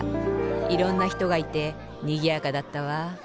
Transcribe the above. いろんなひとがいてにぎやかだったわ。